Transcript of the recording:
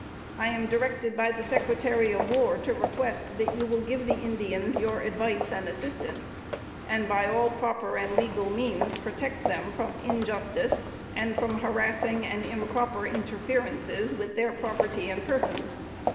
I am directed by the Secretary of War to request that you will give the Indians your advice and assistance, and by all proper and legal means protect them from injustice and from harrassing and improper interferences with their property and persons.